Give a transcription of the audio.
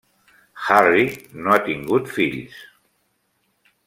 Harry no ha tingut fills.